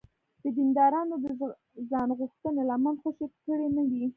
چې دیندارانو د ځانغوښتنې لمن خوشې کړې نه وي.